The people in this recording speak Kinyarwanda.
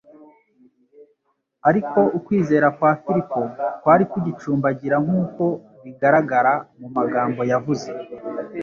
Ariko ukwizera kwa Filipo kwari kugicumbagira, nk'uko bigaragara mu magambo yavuze,